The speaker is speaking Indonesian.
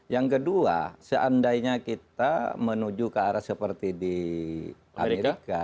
yang kedua seandainya kita menuju ke arah seperti di amerika